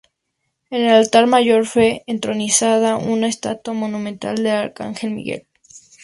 En el altar mayor fue entronizada una estatua monumental del arcángel Miguel.